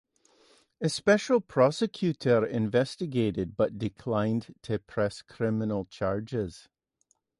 A special prosecutor investigated but declined to press criminal charges.